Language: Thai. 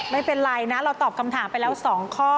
ไม่เป็นไรนะเราตอบคำถามไปแล้ว๒ข้อ